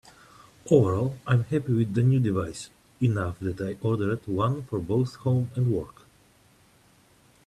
Overall I'm happy with the new device, enough that I ordered one for both home and work.